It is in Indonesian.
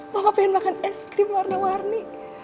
maka pengen makan es krim warna warni